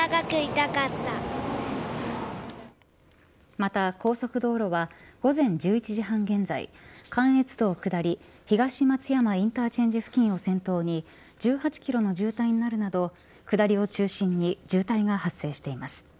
また、高速道路は午前１１時半現在関越道下り東松山インターチェンジ付近を先頭に１８キロの渋滞になるなど下りを中心に渋滞が発生しています。